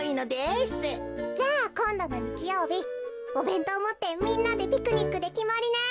じゃあこんどのにちようびおべんとうをもってみんなでピクニックできまりね。